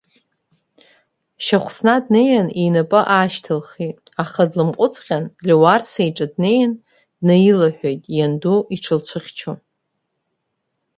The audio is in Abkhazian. Шьахәсна днеин, инапы аашьҭылхит, аха длымҟәҵҟьан Леуарса иҿы днеин, днаилаҳәит, ианду иҽылцәыхьчо.